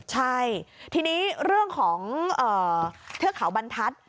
ใช่ทีนี้เรื่องของเทือกเขาบรรทัศน์